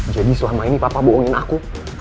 jadi selama ini papa bohongin aku